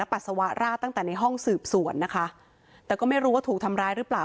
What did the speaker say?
ปัสสาวะราดตั้งแต่ในห้องสืบสวนนะคะแต่ก็ไม่รู้ว่าถูกทำร้ายหรือเปล่า